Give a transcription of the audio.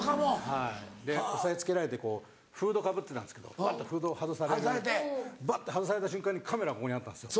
はいで押さえ付けられてこうフードかぶってたんですけどバッとフードを外されるバッて外された瞬間にカメラがここにあったんですよ